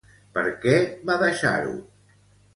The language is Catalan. Per què va deixar-ho?